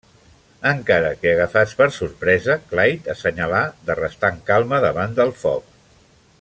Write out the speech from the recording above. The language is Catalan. Encara que agafats per sorpresa, Clyde assenyalà de restar en calma davant del foc.